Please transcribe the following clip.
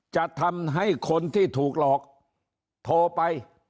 จะทำให้คนที่ถูกหลอกโทรไป